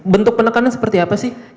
bentuk penekanan seperti apa sih